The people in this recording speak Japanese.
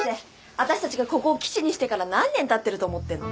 あたしたちがここを基地にしてから何年たってると思ってんの？